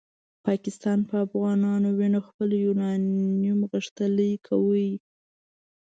پاکستان په افغانانو وینو خپل یورانیوم غښتلی کاوه.